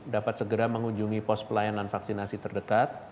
dapat segera mengunjungi pos pelayanan vaksinasi terdekat